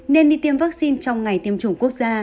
nên đi tiêm vaccine trong ngày tiêm chủng quốc gia